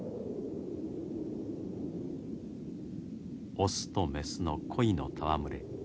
オスとメスの恋の戯れ。